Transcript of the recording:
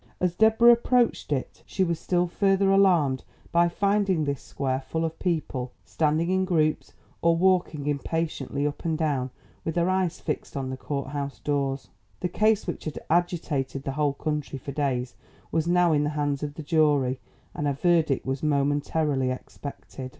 As Deborah approached it, she was still further alarmed by finding this square full of people, standing in groups or walking impatiently up and down with their eyes fixed on the courthouse doors. The case which had agitated the whole country for days was now in the hands of the jury and a verdict was momentarily expected.